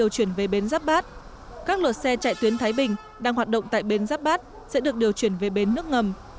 chuyến bát các lượt xe chạy tuyến thái bình đang hoạt động tại bến giáp bát sẽ được điều chuyển về bến nước ngầm